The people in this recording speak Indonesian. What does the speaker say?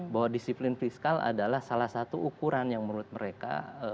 bahwa disiplin fiskal adalah salah satu ukuran yang menurut mereka